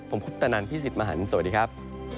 ผมพุทธนันพี่สิทธิ์มหันฯสวัสดีครับ